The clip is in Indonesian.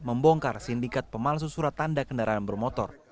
membongkar sindikat pemalsu surat tanda kendaraan bermotor